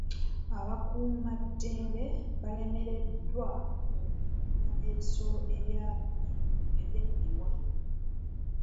Abakuumaddembe balemereddwa okununula ebisolo ebyabbibwa.